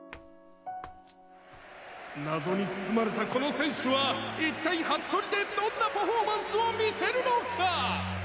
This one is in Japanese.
「謎に包まれたこの選手は一体ＨＡＴＴＯＲＩでどんなパフォーマンスを見せるのか！？」